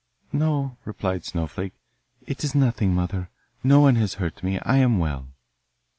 'No,' replied Snowflake, 'it is nothing, mother; no one has hurt me; I am well.